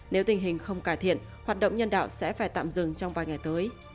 nếu tình hình không cải thiện hoạt động nhân đạo sẽ phải tạm dừng trong vài ngày tới